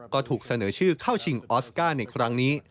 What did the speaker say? ก็ถูกเสนอชื่อเข้าชิงออสการ์ในครั้งนี้